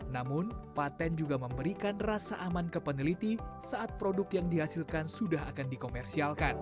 namun patent juga memberikan rasa aman ke peneliti saat produk yang dihasilkan sudah akan dikomersialkan